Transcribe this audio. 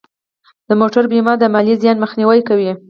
د موټر بیمه د مالي زیان مخنیوی کوي.